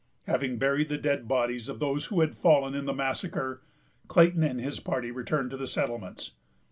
Having buried the dead bodies of those who had fallen in the massacre, Clayton and his party returned to the settlements.